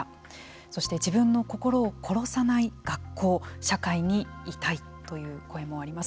そして自分の心を殺さない学校社会にいたいという声もあります。